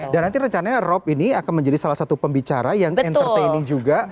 dan nanti rencananya rob ini akan menjadi salah satu pembicara yang entertaining juga